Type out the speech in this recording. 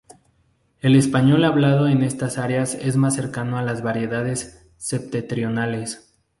El español hablado en estas áreas es más cercano a las variedades septentrionales.